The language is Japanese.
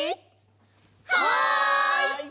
はい！